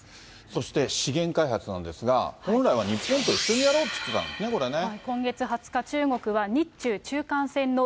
そして資源開発なんですが、本来は日本と一緒にやろうって言ってたんですね。